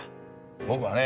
僕はね